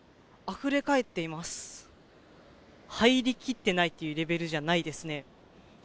入りきってないっていうレベルじゃないですね。